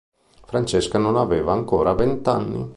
Francesca non aveva ancora vent'anni.